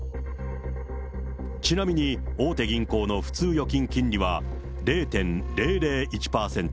ちなみに大手銀行の普通預金金利は０．００１％。